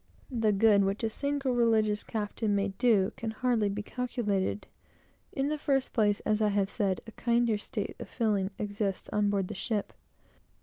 The good which a single religious captain may do can hardly be calculated. In the first place, as I have said, a kinder state of feeling exists on board the ship.